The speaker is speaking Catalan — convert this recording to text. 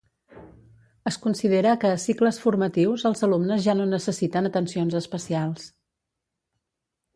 Es considera que a cicles formatius els alumnes ja no necessiten atencions especials.